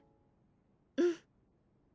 うん。